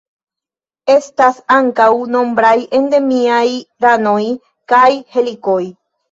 Estas ankaŭ nombraj endemiaj ranoj kaj helikoj.